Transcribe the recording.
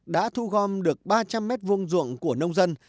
đã thu gom được ba trăm linh m hai ruộng của nông dân